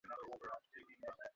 কিছুই ঠিক হচ্ছে না শার্লেট।